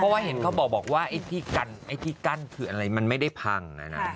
เพราะว่าเห็นเขาบอกว่าไอ้ที่กั้นคืออะไรมันไม่ได้พัง